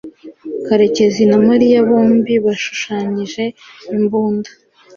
karekezi na mariya bombi bashushanyije imbunda